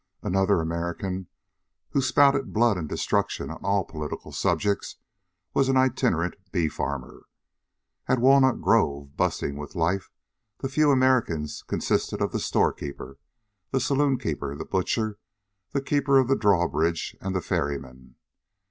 Another American, who spouted blood and destruction on all political subjects, was an itinerant bee farmer. At Walnut Grove, bustling with life, the few Americans consisted of the storekeeper, the saloonkeeper, the butcher, the keeper of the drawbridge, and the ferryman.